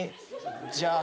じゃあ。